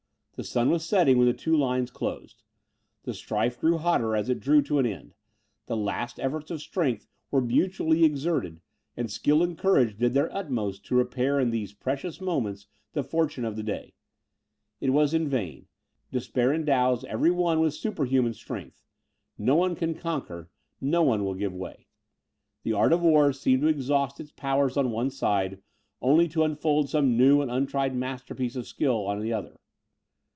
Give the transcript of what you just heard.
The sun was setting when the two lines closed. The strife grew hotter as it drew to an end; the last efforts of strength were mutually exerted, and skill and courage did their utmost to repair in these precious moments the fortune of the day. It was in vain; despair endows every one with superhuman strength; no one can conquer, no one will give way. The art of war seemed to exhaust its powers on one side, only to unfold some new and untried masterpiece of skill on the other.